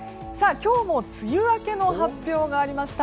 今日も梅雨明けの発表がありました。